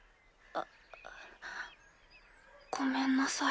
あごめんなさい。